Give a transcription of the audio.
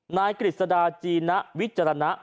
นายกริสดาจีนะวิจารณะ